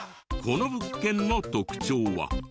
この物件の特徴は？